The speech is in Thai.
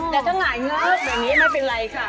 แต่ถ้าหงายเงิบแบบนี้ไม่เป็นไรค่ะ